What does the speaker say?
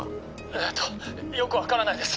えぇとよく分からないです。